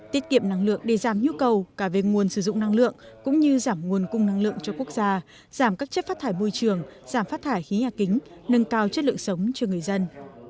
tiết kiệm năng lượng để giảm nhu cầu cả về nguồn sử dụng năng lượng cũng như giảm nguồn cung năng lượng cho quốc gia giảm các chất phát thải môi trường giảm phát thải khí nhà kính nâng cao chất lượng sống cho người dân